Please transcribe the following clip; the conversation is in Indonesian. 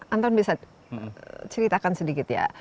anton bisa ceritakan sedikit ya